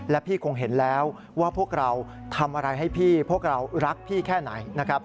และพี่คงเห็นแล้วว่าพวกเราทำอะไรให้พี่พวกเรารักพี่แค่ไหนนะครับ